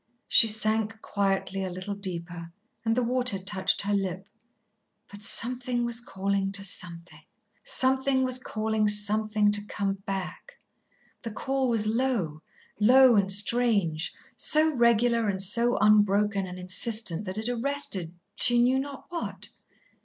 She sank quietly a little deeper and the water touched her lip. But Something was calling to Something, something was calling something to come back. The call was low, low and strange, so regular and so unbroken and insistent, that it arrested, she knew not what.